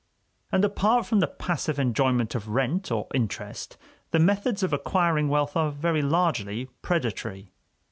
And apart from the passive enjoyment of rent or interest, the methods of acquiring wealth are very largely predatory.